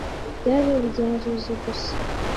Byari ubugenzuzi gusa